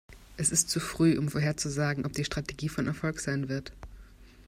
Es ist zu früh, um vorherzusagen, ob die Strategie von Erfolg sein wird.